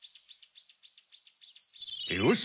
よし！